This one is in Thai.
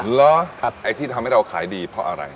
เหรอไอ้ที่ทำให้เราขายดีเพราะอะไร